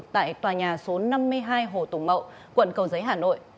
tại tòa nhà số năm mươi hai hồ tùng mậu quận cầu giấy hà nội